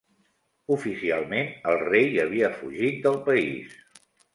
Oficialment el rei havia fugit del país.